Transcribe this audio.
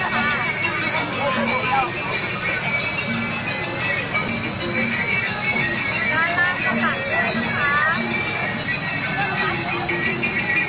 ขอร้องทั้งหมดนะครับ